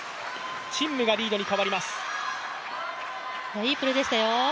いいプレーでしたよ